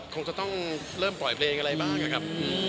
ผมจะต้องปล่อยเพลงอะไรบ้างครับ